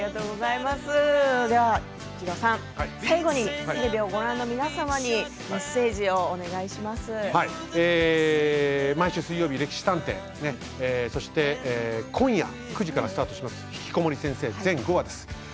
最後にテレビをご覧の毎週水曜日「歴史探偵」そして今夜９時からスタートの「ひきこもり先生」全５話です。